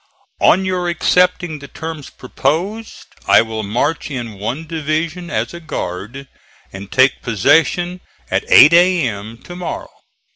On your accepting the terms proposed, I will march in one division as a guard, and take possession at eight A.M. to morrow.